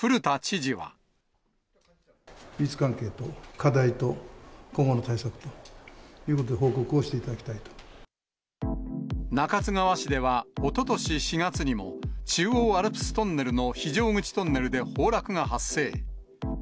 事実関係と課題と今後の対策ということを報告をしていただき中津川市では、おととし４月にも中央アルプストンネルの非常口トンネルで崩落が発生。